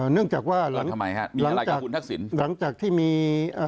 เนื่องจากว่าหลังจากที่มี